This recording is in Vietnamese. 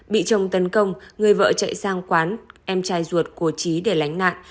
bị chồng tấn công người vợ chạy sang quán em trai ruột của trí để lánh nạn